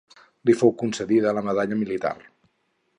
Li fou concedida la medalla militar.